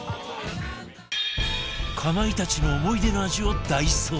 かまいたちの思い出の味を大捜索